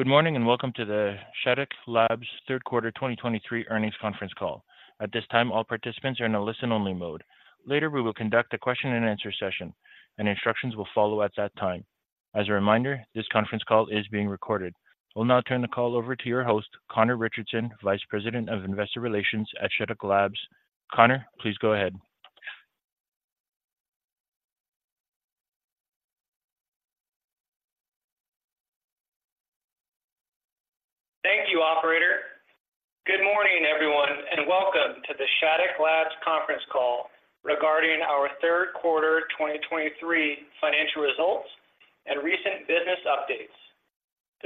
Good morning, and welcome to the Shattuck Labs' third quarter 2023 earnings conference call. At this time, all participants are in a listen-only mode. Later, we will conduct a question and answer session, and instructions will follow at that time. As a reminder, this conference call is being recorded. We'll now turn the call over to your host, Conor Richardson, Vice President of Investor Relations at Shattuck Labs. Conor, please go ahead. Thank you, operator. Good morning, everyone, and welcome to the Shattuck Labs conference call regarding our third quarter 2023 financial results and recent business updates.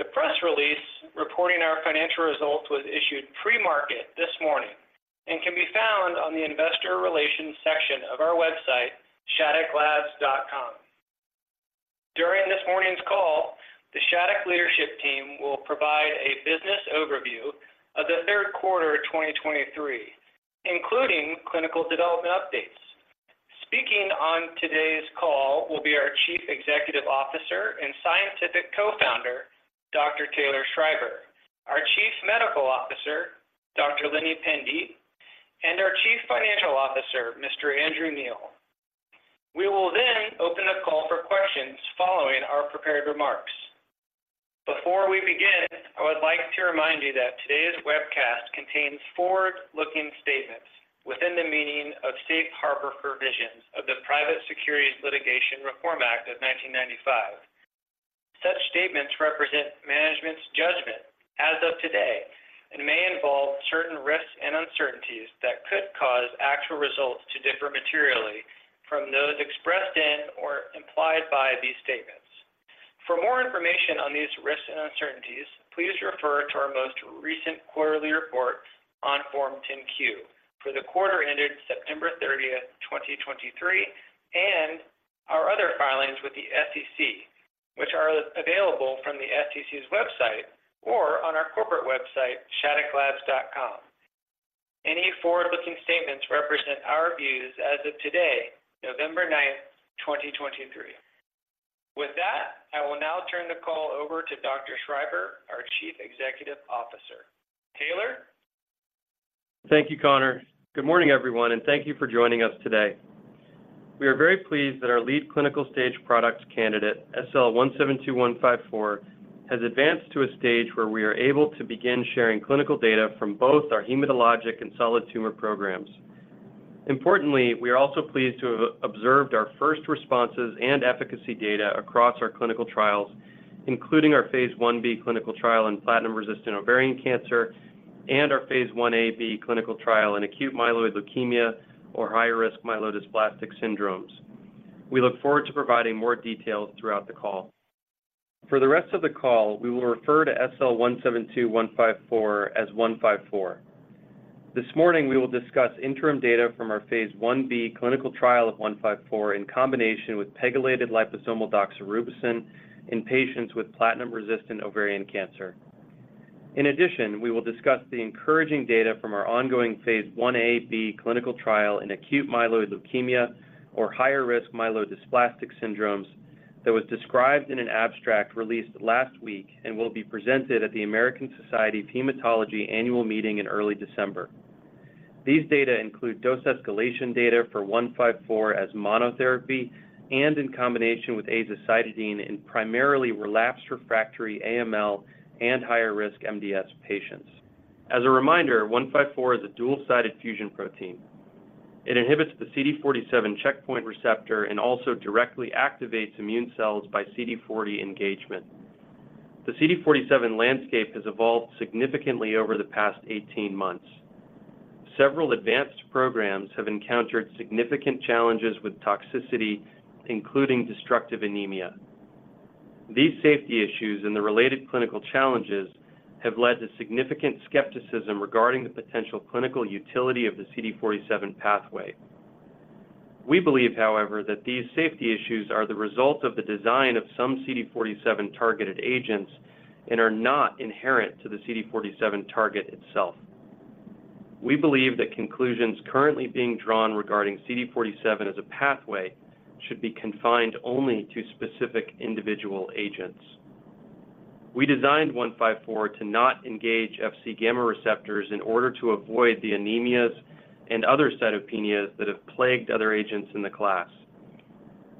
The press release reporting our financial results was issued pre-market this morning and can be found on the investor relations section of our website, ShattuckLabs.com. During this morning's call, the Shattuck leadership team will provide a business overview of the third quarter of 2023, including clinical development updates. Speaking on today's call will be our Chief Executive Officer and Scientific Co-founder, Dr. Taylor Schreiber, our Chief Medical Officer, Dr. Lini Pandite, and our Chief Financial Officer, Mr. Andrew Neill. We will then open the call for questions following our prepared remarks. Before we begin, I would like to remind you that today's webcast contains forward-looking statements within the meaning of safe harbor provisions of the Private Securities Litigation Reform Act of 1995. Such statements represent management's judgment as of today and may involve certain risks and uncertainties that could cause actual results to differ materially from those expressed in or implied by these statements. For more information on these risks and uncertainties, please refer to our most recent quarterly report on Form 10-Q for the quarter ended September 30, 2023, and our other filings with the SEC, which are available from the SEC's website or on our corporate website, ShattuckLabs.com. Any forward-looking statements represent our views as of today, November 9, 2023. With that, I will now turn the call over to Dr. Schreiber, our Chief Executive Officer. Taylor? Thank you, Conor. Good morning, everyone, and thank you for joining us today. We are very pleased that our lead clinical-stage product candidate, SL-172154, has advanced to a stage where we are able to begin sharing clinical data from both our hematologic and solid tumor programs. Importantly, we are also pleased to have observed our first responses and efficacy data across our clinical trials, including our phase 1b clinical trial in platinum-resistant ovarian cancer and our phase 1a/1b clinical trial in acute myeloid leukemia or high-risk myelodysplastic syndromes. We look forward to providing more details throughout the call. For the rest of the call, we will refer to SL-172154 as 154. This morning, we will discuss interim data from our phase 1b clinical trial of SL-172154 in combination with pegylated liposomal doxorubicin in patients with platinum-resistant ovarian cancer. In addition, we will discuss the encouraging data from our ongoing phase 1a/1b clinical trial in acute myeloid leukemia or higher-risk myelodysplastic syndromes that was described in an abstract released last week and will be presented at the American Society of Hematology Annual Meeting in early December. These data include dose escalation data for SL-172154 as monotherapy and in combination with azacitidine in primarily relapsed/refractory AML and higher-risk MDS patients. As a reminder, SL-172154 is a dual-sided fusion protein. It inhibits the CD47 checkpoint receptor and also directly activates immune cells by CD40 engagement. The CD47 landscape has evolved significantly over the past 18 months. Several advanced programs have encountered significant challenges with toxicity, including destructive anemia. These safety issues and the related clinical challenges have led to significant skepticism regarding the potential clinical utility of the CD47 pathway. We believe, however, that these safety issues are the result of the design of some CD47 targeted agents and are not inherent to the CD47 target itself. We believe that conclusions currently being drawn regarding CD47 as a pathway should be confined only to specific individual agents. We designed 154 to not engage Fc gamma receptors in order to avoid the anemias and other cytopenias that have plagued other agents in the class.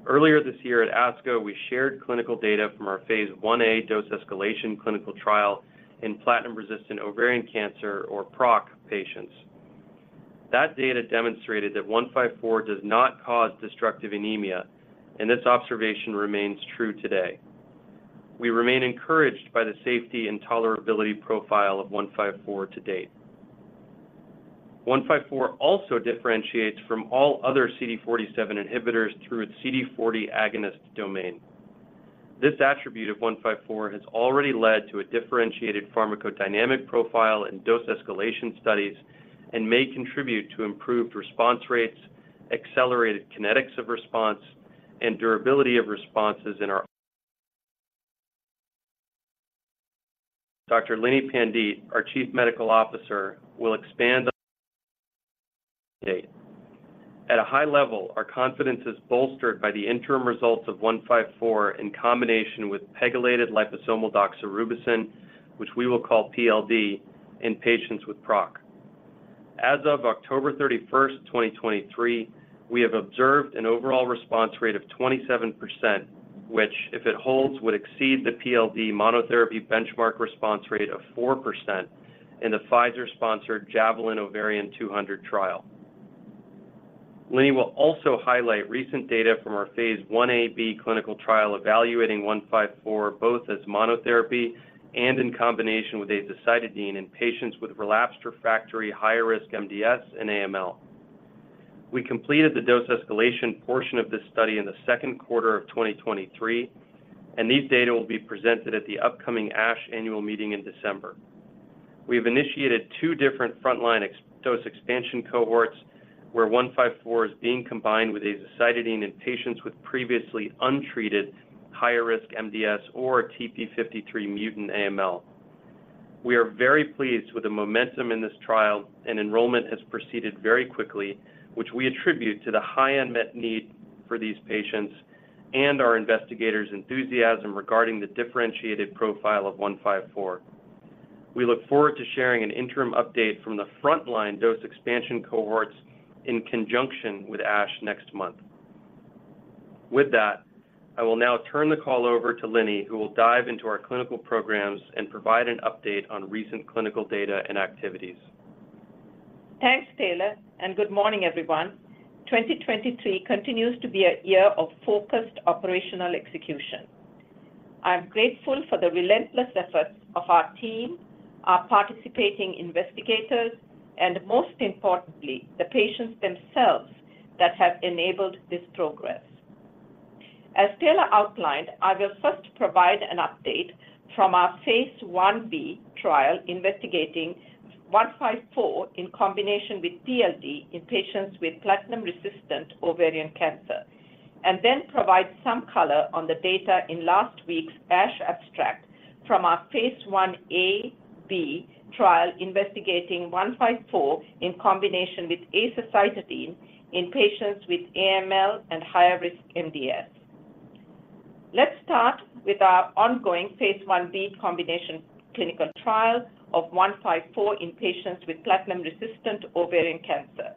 Earlier this year at ASCO, we shared clinical data from our Phase 1a dose escalation clinical trial in platinum-resistant ovarian cancer or PROC patients. That data demonstrated that SL-172154 does not cause destructive anemia, and this observation remains true today. We remain encouraged by the safety and tolerability profile of SL-172154 to date. SL-172154 also differentiates from all other CD47 inhibitors through its CD40 agonist domain. This attribute of SL-172154 has already led to a differentiated pharmacodynamic profile in dose escalation studies and may contribute to improved response rates, accelerated kinetics of response, and durability of responses in our... Dr. Lini Pandite, our Chief Medical Officer, will expand on-... Okay. At a high level, our confidence is bolstered by the interim results of SL-172154 in combination with pegylated liposomal doxorubicin, which we will call PLD, in patients with PROC. As of October 31, 2023, we have observed an overall response rate of 27%, which, if it holds, would exceed the PLD monotherapy benchmark response rate of 4% in the Pfizer-sponsored JAVELIN Ovarian 200 trial. Lini will also highlight recent data from our phase 1a/1b clinical trial, evaluating 154, both as monotherapy and in combination with azacitidine in patients with relapsed/refractory higher-risk MDS and AML. We completed the dose escalation portion of this study in the second quarter of 2023, and these data will be presented at the upcoming ASH annual meeting in December. We have initiated two different frontline dose expansion cohorts, where 154 is being combined with azacitidine in patients with previously untreated higher-risk MDS or TP53 mutant AML. We are very pleased with the momentum in this trial, and enrollment has proceeded very quickly, which we attribute to the high unmet need for these patients and our investigators' enthusiasm regarding the differentiated profile of 154. We look forward to sharing an interim update from the frontline dose expansion cohorts in conjunction with ASH next month. With that, I will now turn the call over to Lini, who will dive into our clinical programs and provide an update on recent clinical data and activities. Thanks, Taylor, and good morning, everyone. 2023 continues to be a year of focused operational execution. I'm grateful for the relentless efforts of our team, our participating investigators, and most importantly, the patients themselves that have enabled this progress. As Taylor outlined, I will first provide an update from our phase 1b trial investigating 154 in combination with PLD in patients with platinum-resistant ovarian cancer, and then provide some color on the data in last week's ASH abstract from our phase 1a/b trial, investigating 154 in combination with azacitidine in patients with AML and higher-risk MDS. Let's start with our ongoing phase 1b combination clinical trial of 154 in patients with platinum-resistant ovarian cancer.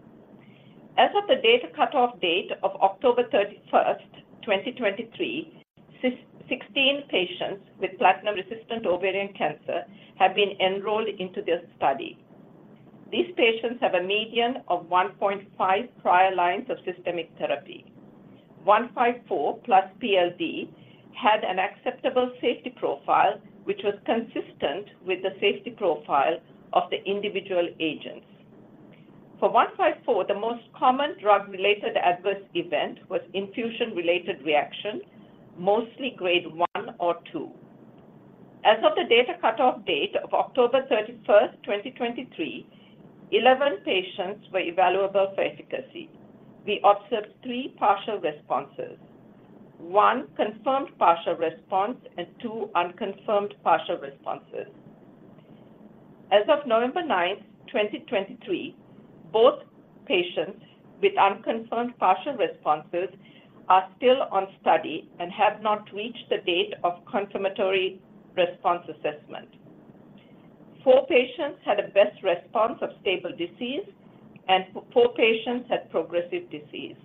As of the data cutoff date of October 31, 2023, 16 patients with platinum-resistant ovarian cancer have been enrolled into this study. These patients have a median of 1.5 prior lines of systemic therapy. SL-172154 plus PLD had an acceptable safety profile, which was consistent with the safety profile of the individual agents. For SL-172154, the most common drug-related adverse event was infusion-related reaction, mostly grade 1 or 2. As of the data cutoff date of October 31, 2023, 11 patients were evaluable for efficacy. We observed three partial responses, one confirmed partial response, and two unconfirmed partial responses. As of November 9, 2023, both patients with unconfirmed partial responses are still on study and have not reached the date of confirmatory response assessment. Four patients had a best response of stable disease, and four patients had progressive disease.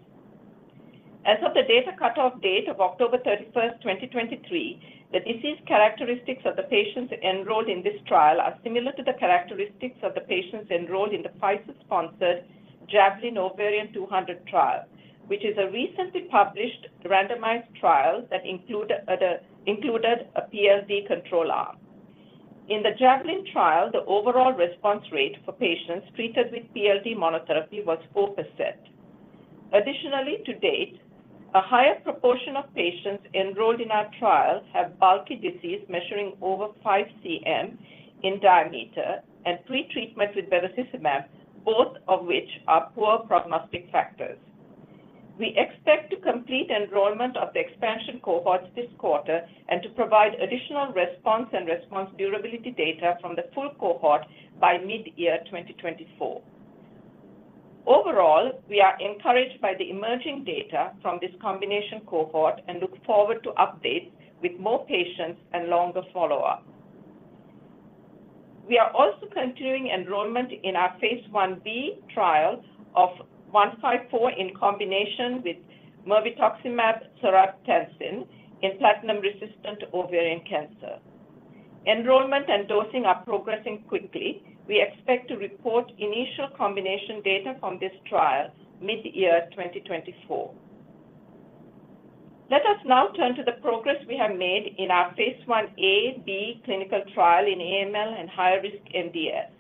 As of the data cutoff date of October 31, 2023, the disease characteristics of the patients enrolled in this trial are similar to the characteristics of the patients enrolled in the Pfizer-sponsored JAVELIN Ovarian 200 trial, which is a recently published randomized trial that included a PLD control arm. In the JAVELIN trial, the overall response rate for patients treated with PLD monotherapy was 4%. Additionally, to date, a higher proportion of patients enrolled in our trial have bulky disease measuring over 5 cm in diameter and pretreatment with bevacizumab, both of which are poor prognostic factors. We expect to complete enrollment of the expansion cohorts this quarter and to provide additional response and response durability data from the full cohort by mid-year 2024. Overall, we are encouraged by the emerging data from this combination cohort and look forward to updates with more patients and longer follow-up. We are also continuing enrollment in our phase 1b trial of 154 in combination with mirvetuximab soravtansine in platinum-resistant ovarian cancer. Enrollment and dosing are progressing quickly. We expect to report initial combination data from this trial mid-year 2024. Let us now turn to the progress we have made in our phase 1a/1b clinical trial in AML and higher-risk MDS.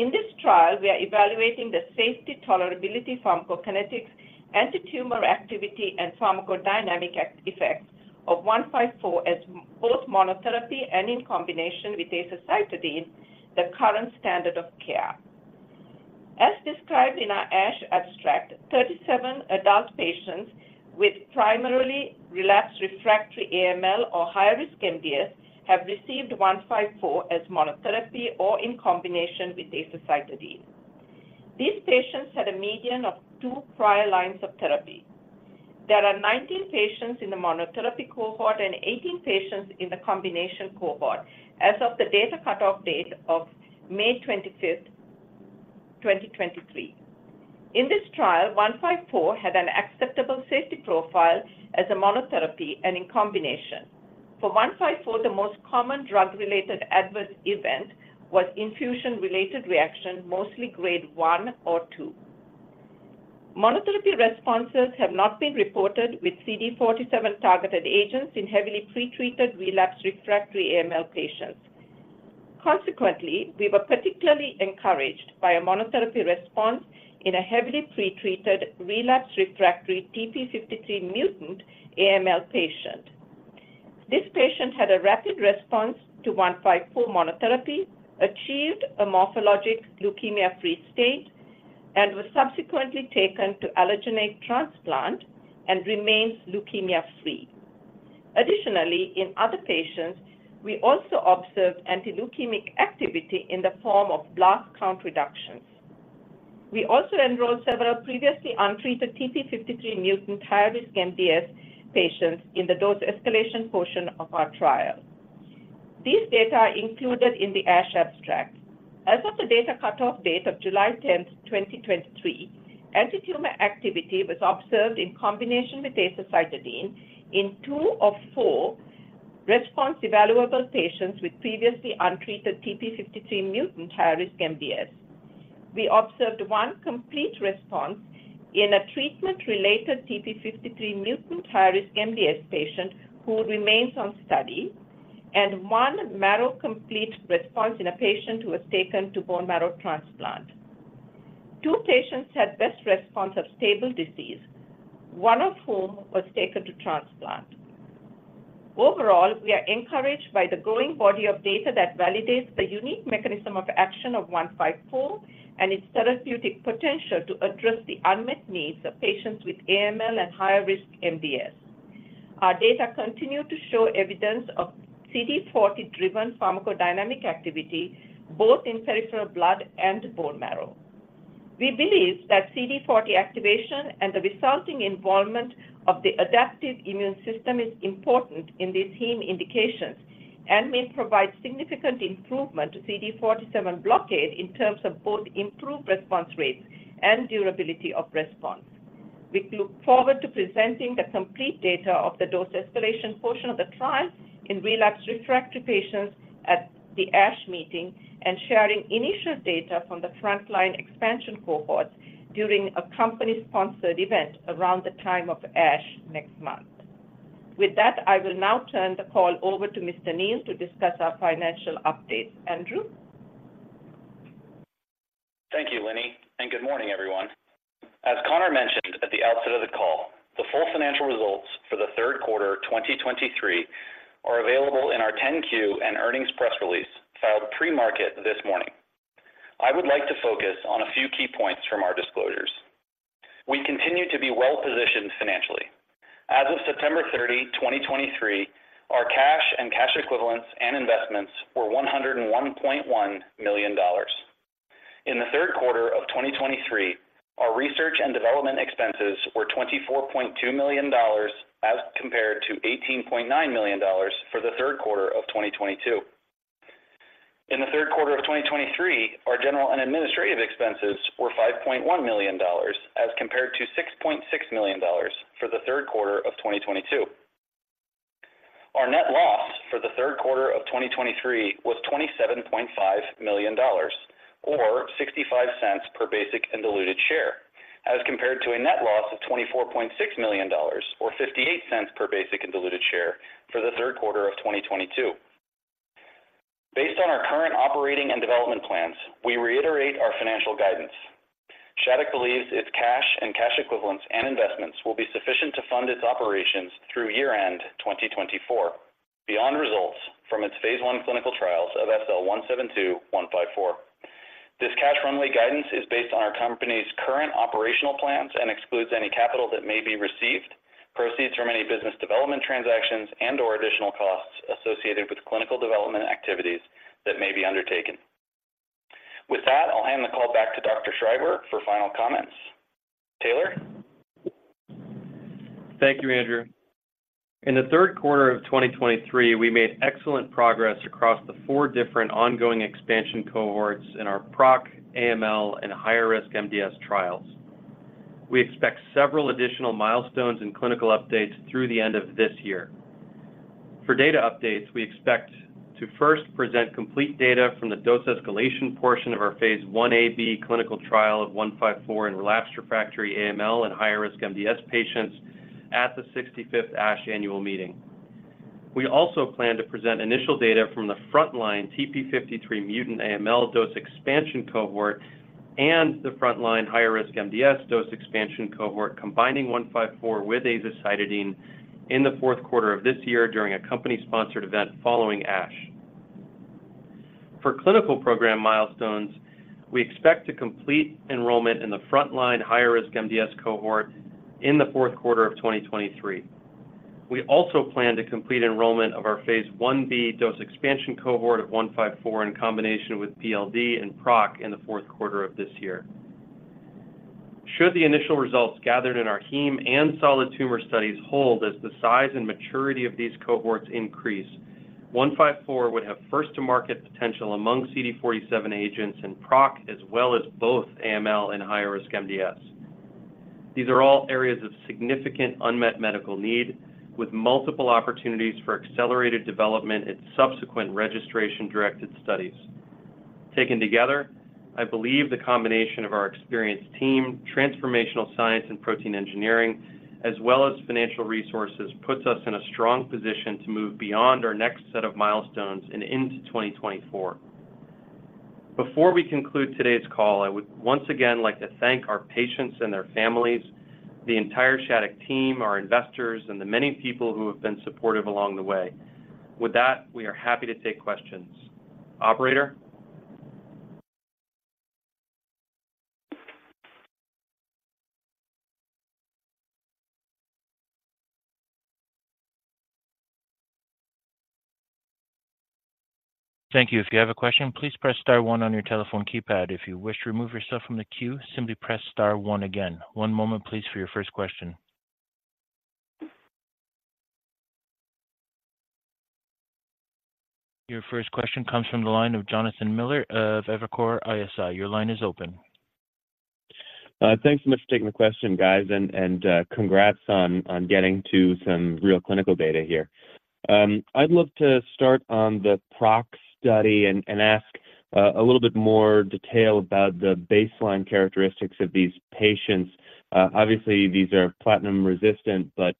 In this trial, we are evaluating the safety, tolerability, pharmacokinetics, antitumor activity, and pharmacodynamic effects of 154 as both monotherapy and in combination with azacitidine, the current standard of care. As described in our ASH abstract, 37 adult patients with primarily relapsed/refractory AML or high-risk MDS have received 154 as monotherapy or in combination with azacitidine. These patients had a median of 2 prior lines of therapy. There are 19 patients in the monotherapy cohort and 18 patients in the combination cohort as of the data cutoff date of May 25, 2023. In this trial, 154 had an acceptable safety profile as a monotherapy and in combination. For 154, the most common drug-related adverse event was infusion-related reaction, mostly grade 1 or 2. Monotherapy responses have not been reported with CD47 targeted agents in heavily pretreated relapsed/refractory AML patients. Consequently, we were particularly encouraged by a monotherapy response in a heavily pretreated relapsed/refractory TP53 mutant AML patient. This patient had a rapid response to SL-172154 monotherapy, achieved a morphologic leukemia-free state, and was subsequently taken to allogeneic transplant and remains leukemia-free. Additionally, in other patients, we also observed antileukemic activity in the form of blast count reductions. We also enrolled several previously untreated TP53 mutant high-risk MDS patients in the dose escalation portion of our trial. These data are included in the ASH abstract. As of the data cutoff date of July 10, 2023, antitumor activity was observed in combination with azacitidine in two of four response-evaluable patients with previously untreated TP53 mutant high-risk MDS. We observed one complete response in a treatment-related TP53 mutant high-risk MDS patient, who remains on study, and one marrow complete response in a patient who was taken to bone marrow transplant. Two patients had best response of stable disease, one of whom was taken to transplant. Overall, we are encouraged by the growing body of data that validates the unique mechanism of action of 154 and its therapeutic potential to address the unmet needs of patients with AML and higher-risk MDS. Our data continue to show evidence of CD40-driven pharmacodynamic activity, both in peripheral blood and bone marrow. We believe that CD40 activation and the resulting involvement of the adaptive immune system is important in these heme indications and may provide significant improvement to CD47 blockade in terms of both improved response rates and durability of response. We look forward to presenting the complete data of the dose escalation portion of the trial in relapsed/refractory patients at the ASH meeting and sharing initial data from the frontline expansion cohorts during a company-sponsored event around the time of ASH next month. With that, I will now turn the call over to Mr. Neill to discuss our financial update. Andrew? Thank you, Lini, and good morning, everyone. As Conor mentioned at the outset of the call, the full financial results for the third quarter 2023 are available in our 10-Q and earnings press release, filed pre-market this morning. I would like to focus on a few key points from our disclosures. We continue to be well-positioned financially. As of September 30, 2023, our cash and cash equivalents and investments were $101.1 million. In the third quarter of 2023, our research and development expenses were $24.2 million, as compared to $18.9 million for the third quarter of 2022. In the third quarter of 2023, our general and administrative expenses were $5.1 million, as compared to $6.6 million for the third quarter of 2022. Our net loss for the third quarter of 2023 was $27.5 million, or $0.65 per basic and diluted share, as compared to a net loss of $24.6 million, or $0.58 per basic and diluted share for the third quarter of 2022. Based on our current operating and development plans, we reiterate our financial guidance. Shattuck believes its cash and cash equivalents and investments will be sufficient to fund its operations through year-end 2024, beyond results from its phase 1 clinical trials of SL-172154. This cash runway guidance is based on our company's current operational plans and excludes any capital that may be received, proceeds from any business development transactions, and/or additional costs associated with clinical development activities that may be undertaken. With that, I'll hand the call back to Dr. Schreiber for final comments. Taylor? Thank you, Andrew. In the third quarter of 2023, we made excellent progress across the four different ongoing expansion cohorts in our PROC, AML, and higher-risk MDS trials. We expect several additional milestones and clinical updates through the end of this year. For data updates, we expect to first present complete data from the dose escalation portion of our Phase 1a/1b clinical trial of SL-172154 in relapsed/refractory AML and high-risk MDS patients at the 65th ASH annual meeting. We also plan to present initial data from the frontline TP53 mutant AML dose expansion cohort and the frontline higher-risk MDS dose expansion cohort, combining SL-172154 with azacitidine in the fourth quarter of this year during a company-sponsored event following ASH. For clinical program milestones, we expect to complete enrollment in the frontline higher-risk MDS cohort in the fourth quarter of 2023. We also plan to complete enrollment of our phase 1b dose expansion cohort of 154 in combination with PLD and PROC in the fourth quarter of this year. Should the initial results gathered in our heme and solid tumor studies hold as the size and maturity of these cohorts increase, 154 would have first-to-market potential among CD47 agents in PROC, as well as both AML and high-risk MDS. These are all areas of significant unmet medical need, with multiple opportunities for accelerated development and subsequent registration-directed studies. Taken together, I believe the combination of our experienced team, transformational science and protein engineering, as well as financial resources, puts us in a strong position to move beyond our next set of milestones and into 2024. Before we conclude today's call, I would once again like to thank our patients and their families, the entire Shattuck team, our investors, and the many people who have been supportive along the way. With that, we are happy to take questions. Operator? Thank you. If you have a question, please press star one on your telephone keypad. If you wish to remove yourself from the queue, simply press star one again. One moment, please, for your first question. Your first question comes from the line of Jonathan Miller of Evercore ISI. Your line is open. Thanks so much for taking the question, guys, and congrats on getting to some real clinical data here. I'd love to start on the PROC study and ask a little bit more detail about the baseline characteristics of these patients. Obviously, these are platinum-resistant, but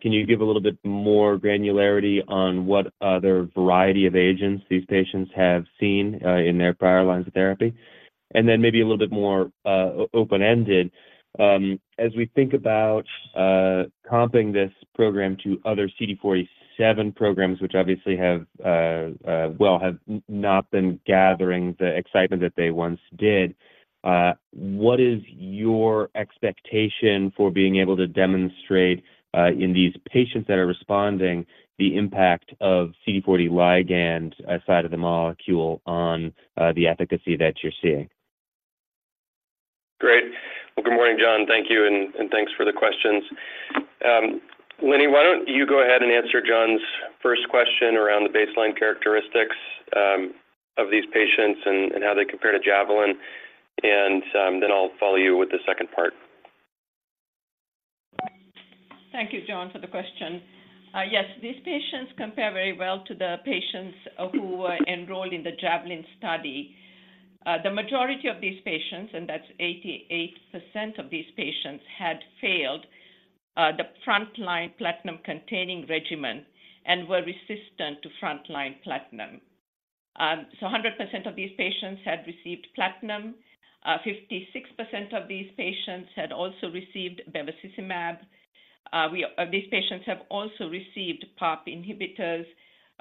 can you give a little bit more granularity on what other variety of agents these patients have seen in their prior lines of therapy? And then maybe a little bit more open-ended, as we think about comping this program to other CD47 programs, which obviously have, well, have not been gathering the excitement that they once did, what is your expectation for being able to demonstrate in these patients that are responding, the impact of CD40 ligand outside of the molecule on the efficacy that you're seeing? Great. Well, good morning, Jon. Thank you, and thanks for the questions. Lini, why don't you go ahead and answer Jon's first question around the baseline characteristics of these patients and how they compare to JAVELIN? And, then I'll follow you with the second part. Thank you, Jon, for the question. Yes, these patients compare very well to the patients who were enrolled in the JAVELIN study. The majority of these patients, and that's 88% of these patients, had failed the frontline platinum-containing regimen and were resistant to frontline platinum. So 100% of these patients had received platinum. 56% of these patients had also received bevacizumab. These patients have also received PARP inhibitors.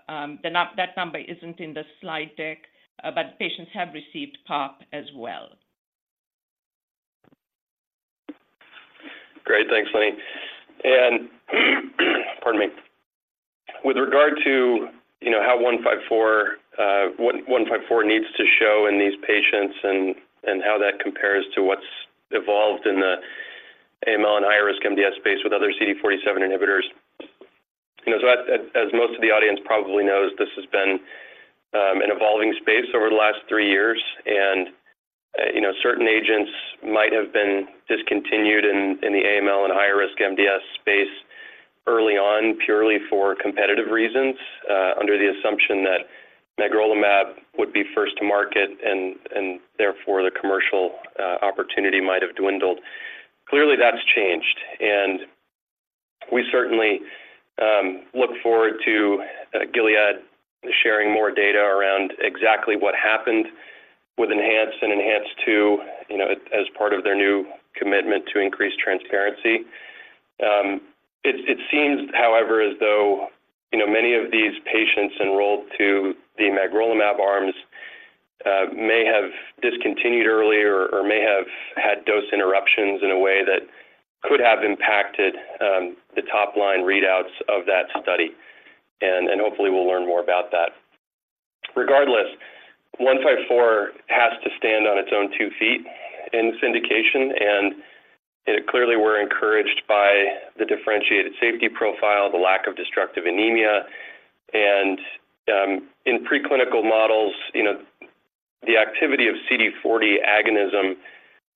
That number isn't in the slide deck, but the patients have received PARP as well. Great. Thanks, Lini. Pardon me. With regard to, you know, how 154 needs to show in these patients and how that compares to what's evolved in the AML and high-risk MDS space with other CD47 inhibitors. You know, so as most of the audience probably knows, this has been an evolving space over the last three years, and, you know, certain agents might have been discontinued in the AML and high-risk MDS space early on, purely for competitive reasons, under the assumption that magrolimab would be first to market and therefore, the commercial opportunity might have dwindled. Clearly, that's changed, and we certainly look forward to Gilead sharing more data around exactly what happened with ENHANCE and ENHANCE-2, you know, as part of their new commitment to increase transparency. It seems, however, as though, you know, many of these patients enrolled to the magrolimab arms may have discontinued earlier or may have had dose interruptions in a way that could have impacted the top-line readouts of that study, and hopefully we'll learn more about that. Regardless, 154 has to stand on its own two feet in this indication, and clearly we're encouraged by the differentiated safety profile, the lack of destructive anemia. And in preclinical models, you know, the activity of CD40 agonism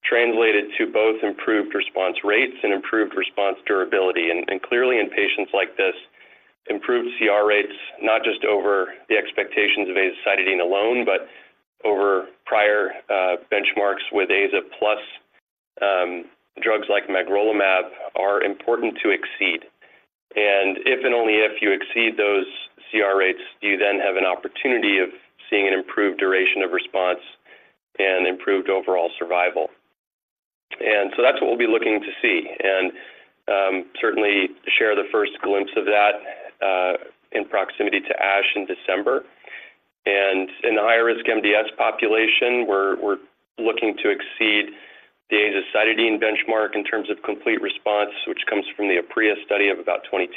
translated to both improved response rates and improved response durability. And clearly in patients like this, improved CR rates, not just over the expectations of azacitidine alone, but over prior benchmarks with Aza plus drugs like magrolimab are important to exceed. And if and only if you exceed those CR rates, you then have an opportunity of seeing an improved duration of response and improved overall survival. And so that's what we'll be looking to see, and certainly share the first glimpse of that in proximity to ASH in December. And in the high-risk MDS population, we're looking to exceed the azacitidine benchmark in terms of complete response, which comes from the AZA-001 study of about 22%,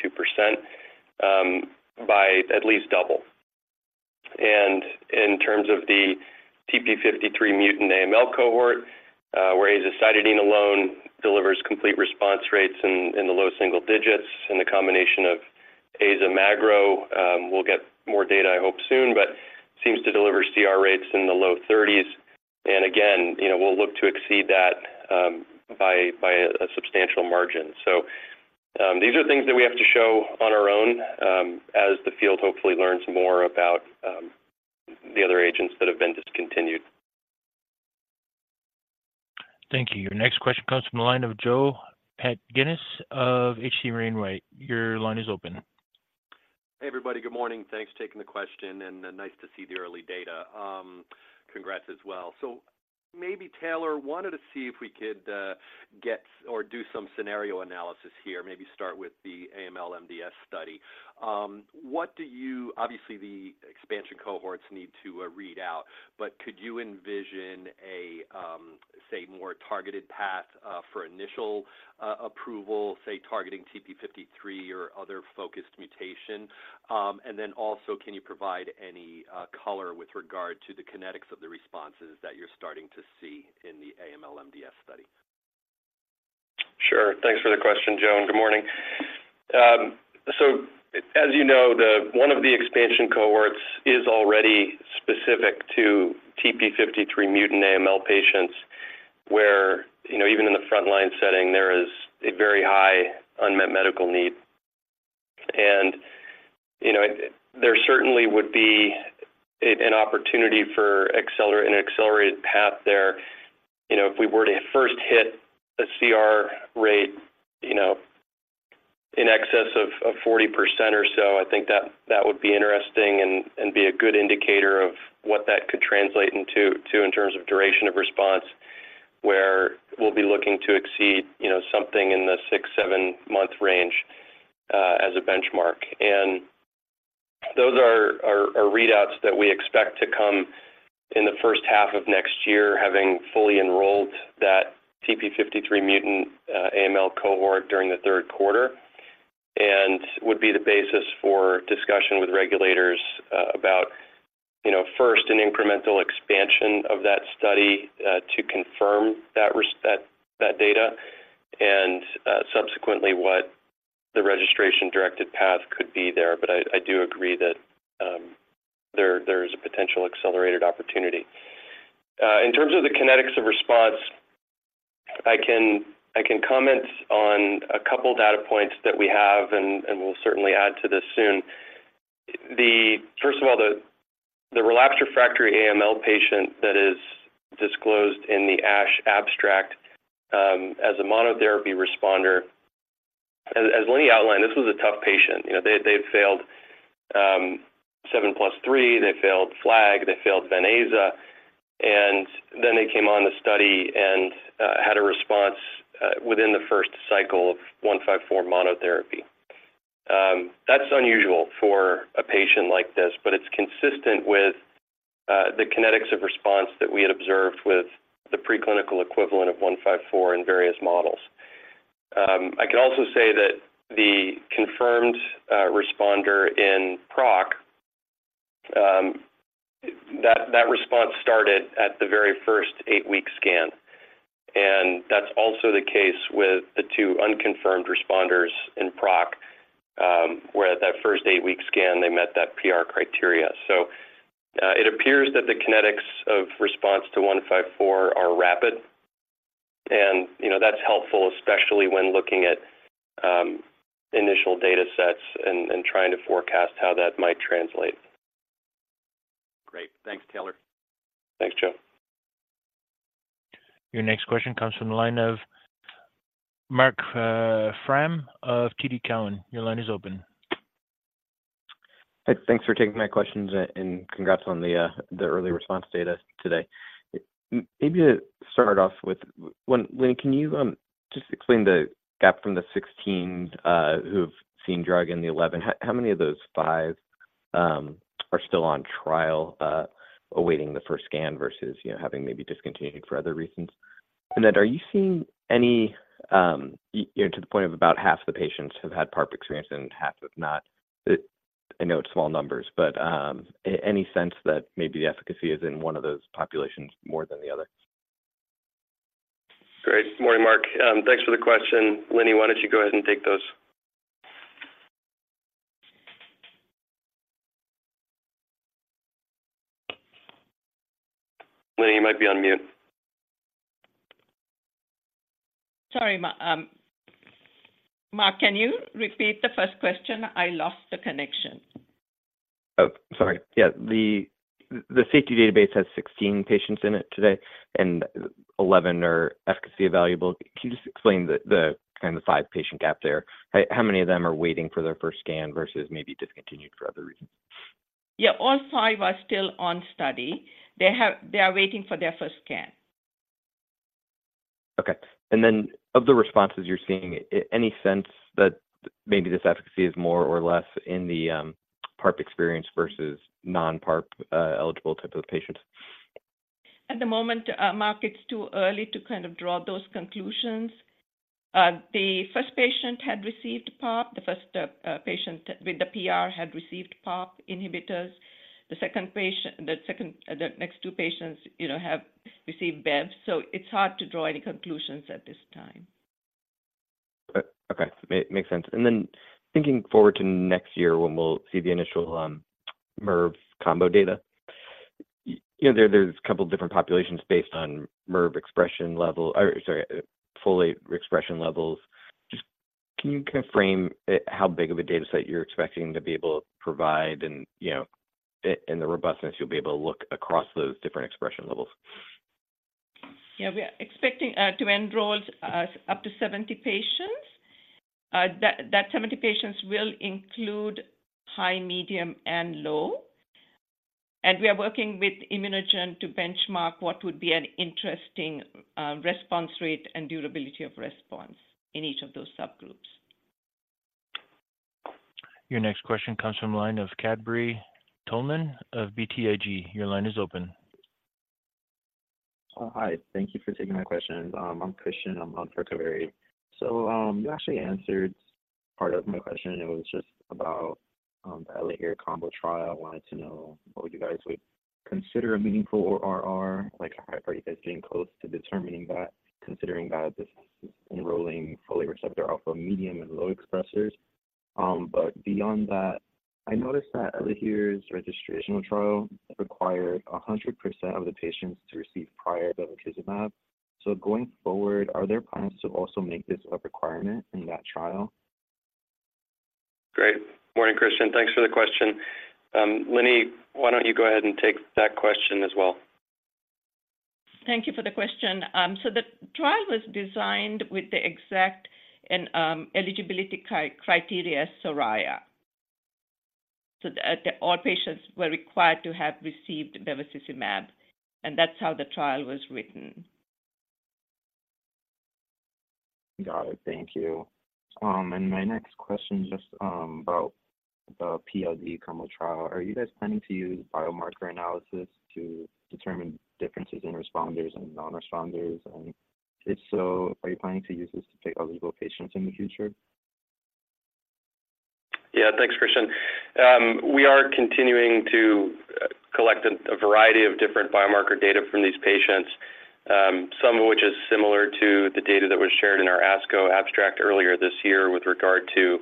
by at least double. And in terms of the TP53 mutant AML cohort, where azacitidine alone delivers complete response rates in the low single digits, and the combination of AZA/magrolimab, we'll get more data, I hope, soon, but seems to deliver CR rates in the low 30s. And again, you know, we'll look to exceed that by a substantial margin. So, these are things that we have to show on our own, as the field hopefully learns more about the other agents that have been discontinued. Thank you. Your next question comes from the line of Joe Pantginis of H.C. Wainwright. Your line is open. Hey, everybody. Good morning. Thanks for taking the question, and nice to see the early data. Congrats as well. So maybe, Taylor, wanted to see if we could get or do some scenario analysis here, maybe start with the AML MDS study. What do you... Obviously, the expansion cohorts need to read out, but could you envision a say, more targeted path for initial approval, say, targeting TP53 or other focused mutation? And then also, can you provide any color with regard to the kinetics of the responses that you're starting to see in the AML MDS study? Sure. Thanks for the question, Joe, and good morning. So as you know, the one of the expansion cohorts is already specific to TP53 mutant AML patients, where, you know, even in the frontline setting, there is a very high unmet medical need. And, you know, there certainly would be an opportunity for an accelerated path there. You know, if we were to first hit a CR rate, you know, in excess of forty percent or so, I think that would be interesting and be a good indicator of what that could translate into in terms of duration of response, where we'll be looking to exceed, you know, something in the six-seven-month range as a benchmark. And those are readouts that we expect to come in the first half of next year, having fully enrolled that TP53 mutant AML cohort during the third quarter, and would be the basis for discussion with regulators about, you know, first, an incremental expansion of that study to confirm that data, and subsequently, what the registration-directed path could be there. But I do agree that there is a potential accelerated opportunity. In terms of the kinetics of response, I can comment on a couple data points that we have, and we'll certainly add to this soon. First of all, the relapsed/refractory AML patient that is disclosed in the ASH abstract as a monotherapy responder, as Lini outlined, this was a tough patient. You know, they, they had failed 7+3, they failed FLAG, they failed venetoclax, and then they came on the study and had a response within the first cycle of 154 monotherapy. That's unusual for a patient like this, but it's consistent with the kinetics of response that we had observed with the preclinical equivalent of 154 in various models. I can also say that the confirmed responder in PROC, that response started at the very first 8-week scan, and that's also the case with the two unconfirmed responders in PROC, where at that first 8-week scan, they met that PR criteria. It appears that the kinetics of response to 154 are rapid, and, you know, that's helpful, especially when looking at initial data sets and trying to forecast how that might translate. Great. Thanks, Taylor. Thanks, Joe. Your next question comes from the line of Marc Frahm of TD Cowen. Your line is open. Hey, thanks for taking my questions, and congrats on the early response data today. Maybe to start off with, Lini, can you just explain the gap from the 16 who've seen drug and the 11? How many of those five are still on trial awaiting the first scan versus, you know, having maybe discontinued for other reasons? And then are you seeing any, you know, to the point of about half the patients have had PARP experience and half have not. I know it's small numbers, but any sense that maybe the efficacy is in one of those populations more than the other? Great. Morning, Marc. Thanks for the question. Lini, why don't you go ahead and take those? Lini, you might be on mute. Sorry, Marc, can you repeat the first question? I lost the connection. Oh, sorry. Yeah, the safety database has 16 patients in it today, and 11 are efficacy evaluable. Can you just explain the kind of 5-patient gap there? How many of them are waiting for their first scan versus maybe discontinued for other reasons? Yeah, all five are still on study. They are waiting for their first scan.... Okay, and then of the responses you're seeing, any sense that maybe this efficacy is more or less in the PARP experience versus non-PARP eligible type of patients? At the moment, Marc, it's too early to kind of draw those conclusions. The first patient had received PARP. The first patient with the PR had received PARP inhibitors. The second patient, the next two patients, you know, have received Bev, so it's hard to draw any conclusions at this time. Okay. Makes sense. And then thinking forward to next year when we'll see the initial Merv combo data, you know, there's a couple different populations based on Merv expression level, or sorry, folate expression levels. Just can you kind of frame how big of a data set you're expecting to be able to provide and, you know, and the robustness you'll be able to look across those different expression levels? Yeah, we are expecting to enroll up to 70 patients. That 70 patients will include high, medium, and low. And we are working with ImmunoGen to benchmark what would be an interesting response rate and durability of response in each of those subgroups. Your next question comes from the line of Kaveri Pohlman of BTIG. Your line is open. Hi. Thank you for taking my questions. I'm Christian. I'm on for Cowen. So, you actually answered part of my question. It was just about the Elahere combo trial. I wanted to know what you guys would consider a meaningful RR, like, are you guys getting close to determining that, considering that this is enrolling folate receptor alpha, medium and low expressers? But beyond that, I noticed that Elahere's registrational trial required 100% of the patients to receive prior bevacizumab. So going forward, are there plans to also make this a requirement in that trial? Great. Morning, Christian. Thanks for the question. Lini, why don't you go ahead and take that question as well? Thank you for the question. So the trial was designed with the exact eligibility criteria as SORAYA. So all patients were required to have received bevacizumab, and that's how the trial was written. Got it. Thank you. And my next question is just about the PLD combo trial. Are you guys planning to use biomarker analysis to determine differences in responders and non-responders? And if so, are you planning to use this to take eligible patients in the future? Yeah, thanks, Christian. We are continuing to collect a variety of different biomarker data from these patients, some of which is similar to the data that was shared in our ASCO abstract earlier this year with regard to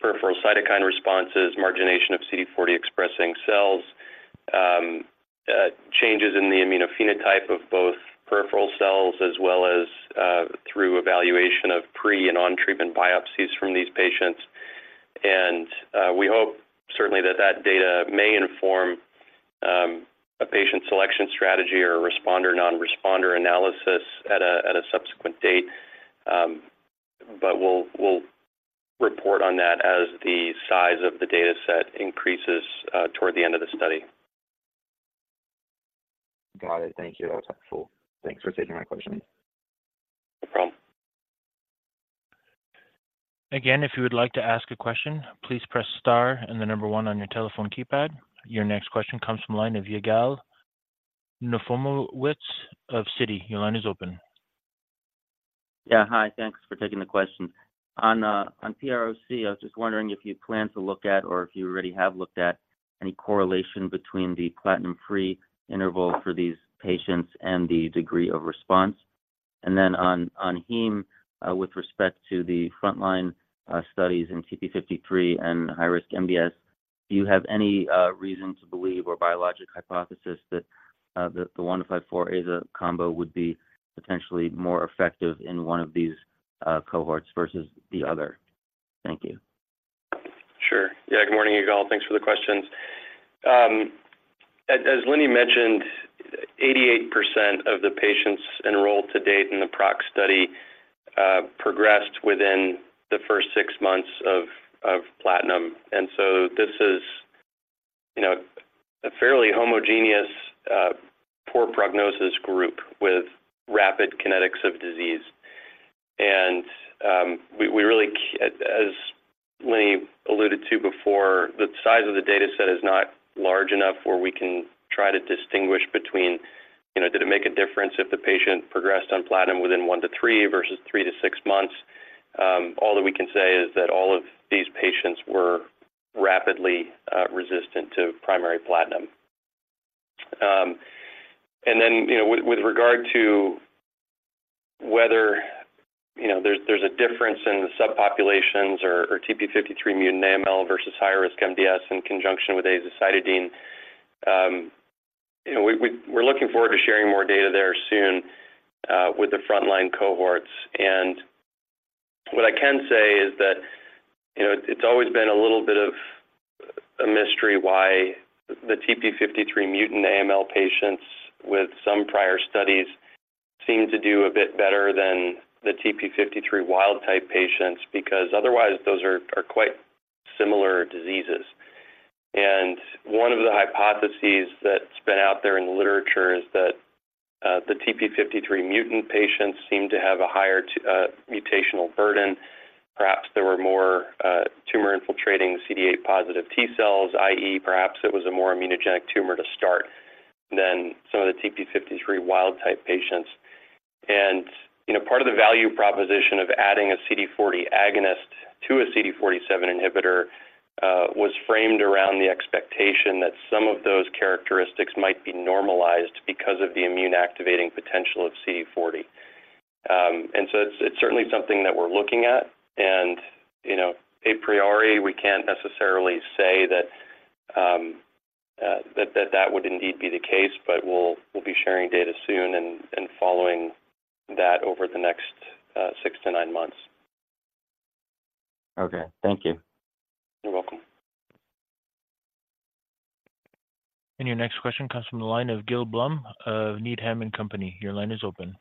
peripheral cytokine responses, margination of CD40-expressing cells, changes in the immunophenotype of both peripheral cells as well as through evaluation of pre- and on-treatment biopsies from these patients. We hope certainly that data may inform a patient selection strategy or a responder, non-responder analysis at a subsequent date. But we'll report on that as the size of the data set increases toward the end of the study. Got it. Thank you. That was helpful. Thanks for taking my questions. No problem. Again, if you would like to ask a question, please press star and the number one on your telephone keypad. Your next question comes from line of Yigal Nochomovitz of Citi. Your line is open. Yeah, hi. Thanks for taking the question. On PROC, I was just wondering if you plan to look at or if you already have looked at any correlation between the platinum-free interval for these patients and the degree of response. And then on Heme, with respect to the frontline studies in TP53 and high-risk MDS, do you have any reason to believe or biologic hypothesis that the 172154 aza combo would be potentially more effective in one of these cohorts versus the other? Thank you. Sure. Yeah, good morning, Yigal. Thanks for the questions. As, as Lini mentioned, 88% of the patients enrolled to date in the PROC study progressed within the first six months of, of platinum. And so this is, you know, a fairly homogeneous, poor prognosis group with rapid kinetics of disease. And we really can't, as Lini alluded to before, the size of the data set is not large enough where we can try to distinguish between, you know, did it make a difference if the patient progressed on platinum within one to three versus three to six months? All that we can say is that all of these patients were rapidly resistant to primary platinum. and then, you know, with, with regard to whether, you know, there's, there's a difference in the subpopulations or, or TP53 mutant AML versus high-risk MDS in conjunction with azacitidine, you know, we, we-- we're looking forward to sharing more data there soon, with the frontline cohorts. And what I can say is that, you know, it's always been a little bit of a mystery why the TP53 mutant AML patients with some prior studies seem to do a bit better than the TP53 wild type patients, because otherwise, those are, are quite similar diseases.... And one of the hypotheses that's been out there in the literature is that, the TP53 mutant patients seem to have a higher mutational burden. Perhaps there were more tumor-infiltrating CD8 positive T cells, i.e., perhaps it was a more immunogenic tumor to start than some of the TP53 wild type patients. You know, part of the value proposition of adding a CD40 agonist to a CD47 inhibitor was framed around the expectation that some of those characteristics might be normalized because of the immune-activating potential of CD40. And so it's certainly something that we're looking at, and you know, a priori, we can't necessarily say that that would indeed be the case, but we'll be sharing data soon and following that over the next six to nine months. Okay. Thank you. You're welcome. Your next question comes from the line of Gil Blum of Needham & Company. Your line is open.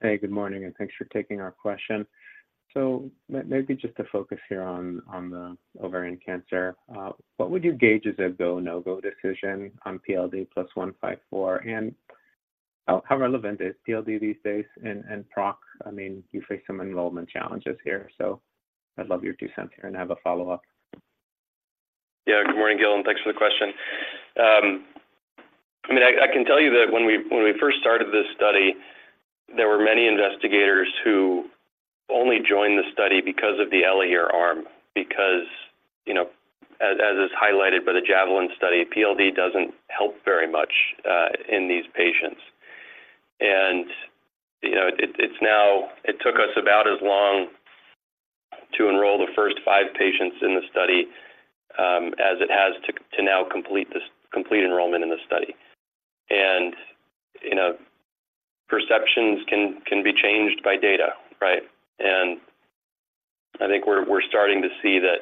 Hey, good morning, and thanks for taking our question. So maybe just to focus here on the ovarian cancer, what would you gauge is a go, no-go decision on PLD plus 154? And how relevant is PLD these days and PROC? I mean, you face some enrollment challenges here, so I'd love your two cents here, and I have a follow-up. Yeah, good morning, Gil, and thanks for the question. I mean, I can tell you that when we first started this study, there were many investigators who only joined the study because of the Elahere arm, because, you know, as is highlighted by the JAVELIN study, PLD doesn't help very much in these patients. And, you know, it's now, it took us about as long to enroll the first five patients in the study as it has to now complete enrollment in the study. And, you know, perceptions can be changed by data, right? I think we're starting to see that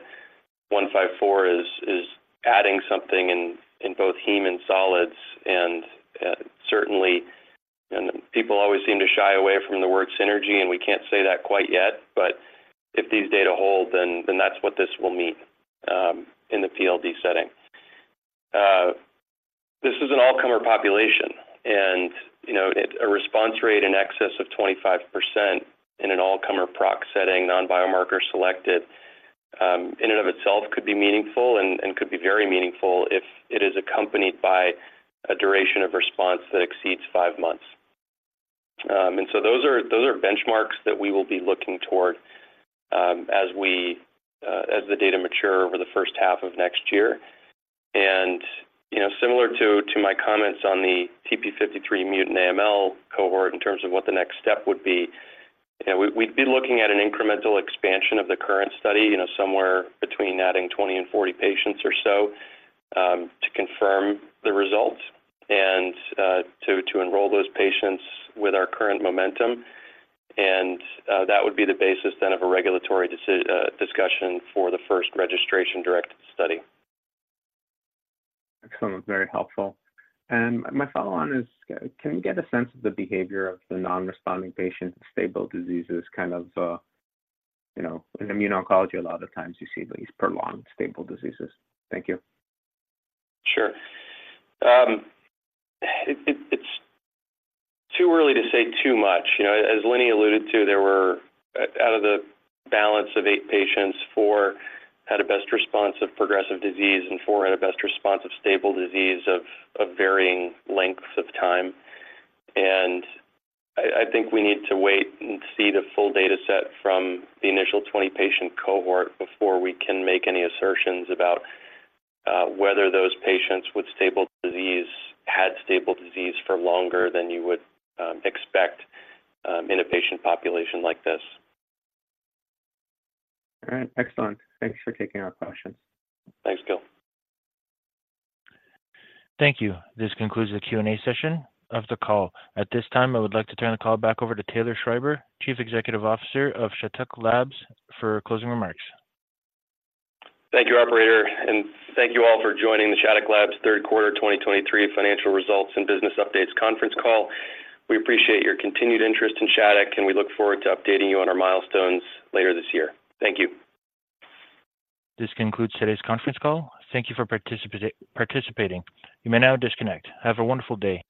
154 is adding something in both heme and solids, and certainly, people always seem to shy away from the word synergy, and we can't say that quite yet, but if these data hold, then that's what this will mean in the PLD setting. This is an all-comer population, and a response rate in excess of 25% in an all-comer PROC setting, non-biomarker selected, in and of itself could be meaningful, and could be very meaningful if it is accompanied by a duration of response that exceeds 5 months. Those are benchmarks that we will be looking toward as the data mature over the first half of next year. You know, similar to my comments on the TP53-mutant AML cohort in terms of what the next step would be, you know, we'd be looking at an incremental expansion of the current study, you know, somewhere between adding 20 and 40 patients or so, to confirm the results and to enroll those patients with our current momentum. That would be the basis then of a regulatory discussion for the first registration-directed study. Excellent. Very helpful. And my follow-on is, can we get a sense of the behavior of the non-responding patients with stable diseases, kind of, you know, in immune oncology, a lot of times you see these prolonged stable diseases. Thank you. Sure. It, it's too early to say too much. You know, as Lini alluded to, there were out of the balance of 8 patients, 4 had a best response of progressive disease and 4 had a best response of stable disease of varying lengths of time. I think we need to wait and see the full data set from the initial 20-patient cohort before we can make any assertions about whether those patients with stable disease had stable disease for longer than you would expect in a patient population like this. All right. Excellent. Thanks for taking our questions. Thanks, Gil. Thank you. This concludes the Q&A session of the call. At this time, I would like to turn the call back over to Taylor Schreiber, Chief Executive Officer of Shattuck Labs, for closing remarks. Thank you, operator, and thank you all for joining the Shattuck Labs third quarter 2023 financial results and business updates conference call. We appreciate your continued interest in Shattuck, and we look forward to updating you on our milestones later this year. Thank you. This concludes today's conference call. Thank you for participating. You may now disconnect. Have a wonderful day.